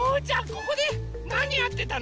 ここでなにやってたの？